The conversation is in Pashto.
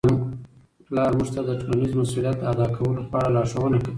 پلار موږ ته د ټولنیز مسؤلیت د ادا کولو په اړه لارښوونه کوي.